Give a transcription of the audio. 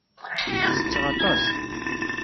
Setteɣ aṭas.